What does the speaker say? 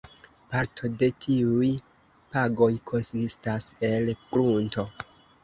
Parto de tiuj pagoj konsistas el prunto.